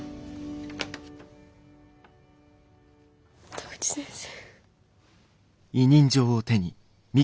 田口先生。